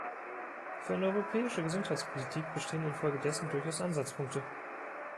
Für eine europäische Gesundheitspolitik bestehen infolgedessen durchaus Ansatzpunkte.